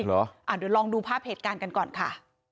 เดี๋ยวลองดูภาพเหตุการณ์กันก่อนค่ะ